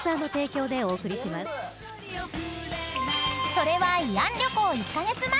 ［それは慰安旅行１カ月前。